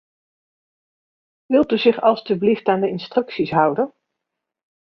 Wilt u zich alstublieft aan de instructies houden!